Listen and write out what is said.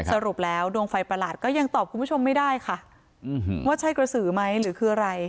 สรุปแล้วดวงไฟประหลาดก็ยังตอบคุณผู้ชมไม่ได้ค่ะว่าใช่กระสือไหมหรือคืออะไร